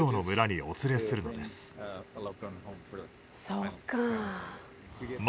そっか。